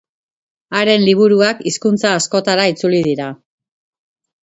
Haren liburuak hizkuntza askotara itzuli dira.